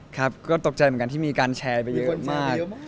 ครับก็ตกใจเหมือนกันที่มีการแชร์ไปเยอะมาก